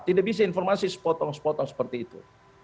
tidak bisa informasi sepotong sepotong seperti itu